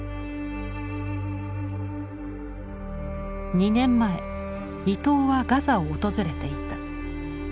２年前いとうはガザを訪れていた。